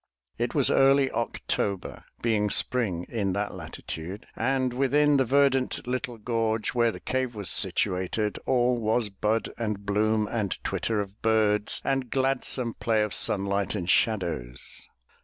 It was early October, being spring in that latitude, and within the verdant little gorge where the cave was situated, all was bud and bloom and twitter of birds and gladsome play of sunlight and shadows.